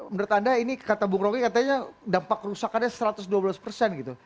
menurut anda ini kata bung roky katanya dampak kerusakannya satu ratus dua belas persen gitu